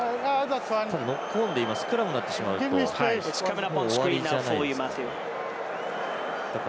ノックオンでスクラムになってしまうと終わりじゃないですか。